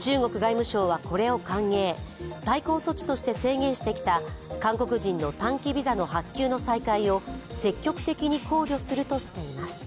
中国外務省はこれを歓迎、対抗措置として制限してきた韓国人の短期ビザの発給の再開を積極的に考慮するとしています。